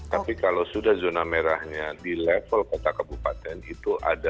tapi kalau sudah zona merahnya di level kota kabupaten itu ada